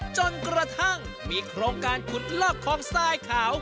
จนกระทั่งมีโครงการขุดลอกคลองทรายขาว